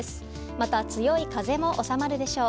また、強い風も収まるでしょう。